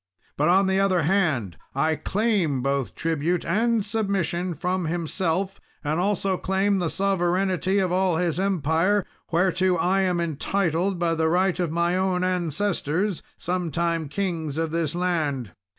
But, on the other hand, I claim both tribute and submission from himself, and also claim the sovereignty of all his empire, whereto I am entitled by the right of my own ancestors sometime kings of this land.